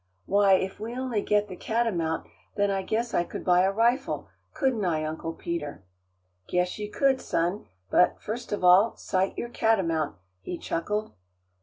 "Why, if we only get the catamount, then I guess I could buy a rifle; couldn't I, Uncle Peter?" "Guess ye could, son; but, first of all, sight your catamount," he chuckled.